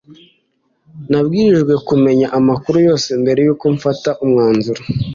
nabwirijwe kumenya amakuru yose mbere yuko mfata umwanzuro